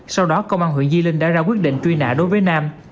sau đó công an huyện di linh đã ra quyết định truy nã đối với nam